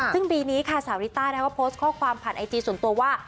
ซึ่งปีนี้ค่ะสาวริต้าก็โพสต์ข้อความผ่านไอจีส่วนตัวว่า